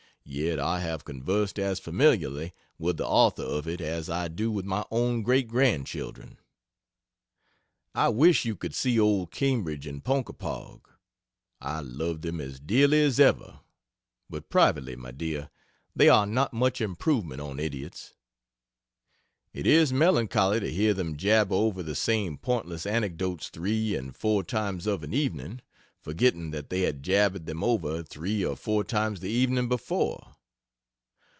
Yet I have conversed as familiarly with the author of it as I do with my own great grandchildren. I wish you could see old Cambridge and Ponkapog. I love them as dearly as ever, but privately, my dear, they are not much improvement on idiots. It is melancholy to hear them jabber over the same pointless anecdotes three and four times of an evening, forgetting that they had jabbered them over three or four times the evening before.